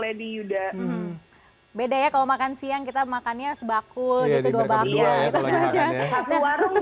adik udah beda ya kalau makan siang kita makannya sebakul jadi kedua bagian